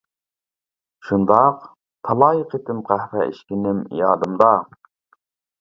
شۇنداق، تالاي قېتىم قەھۋە ئىچكىنىم يادىمدا.